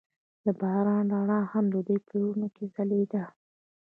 د باران رڼا هم د دوی په زړونو کې ځلېده.